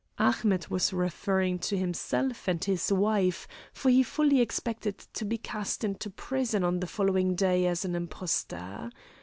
Ahmet was referring to himself and his wife, for he fully expected to be cast into prison on the following day as an impostor.